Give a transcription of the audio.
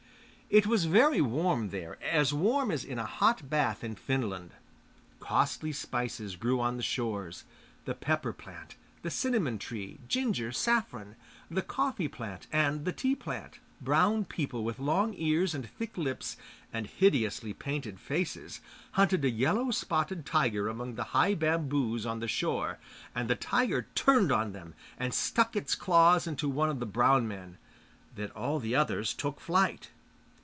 It was very warm there, as warm as in a hot bath in Finland. Costly spices grew on the shores: the pepper plant, the cinnamon tree, ginger, saffron; the coffee plant and the tea plant. Brown people with long ears and thick lips, and hideously painted faces, hunted a yellow spotted tiger among the high bamboos on the shore, and the tiger turned on them and stuck its claws into one of the brown men. Then all the others took to flight.